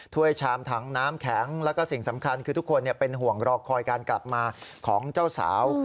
ถ้วยชามถังน้ำแข็งแล้วก็สิ่งสำคัญคือทุกคนเป็นห่วงรอคอยการกลับมาของเจ้าสาว